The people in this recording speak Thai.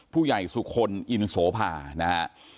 ผู้ใหญ่สุคคลอินสโฑภานะครับ